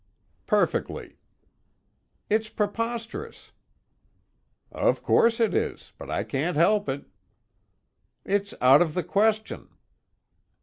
"Perfectly." "It's preposterous!" "Of course it is, but I can't help it." "It's out of the question."